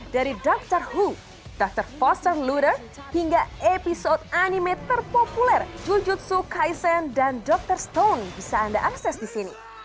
dari doctor who doctor foster loader hingga episode anime terpopuler jujutsu kaisen dan doctor stone bisa anda akses di sini